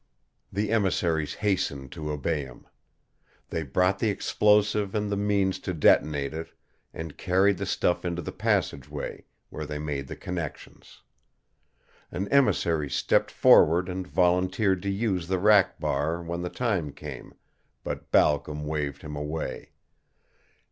The emissaires hastened to obey him. They brought the explosive and the means to detonate it, and carried the stuff into the passageway, where they made the connections. An emissary stepped forward and volunteered to use the rack bar when the time came, but Balcom waved him away.